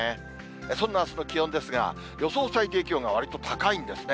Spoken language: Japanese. そんなあすの気温ですが、予想最低気温がわりと高いんですね。